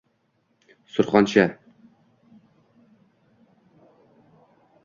Surxoncha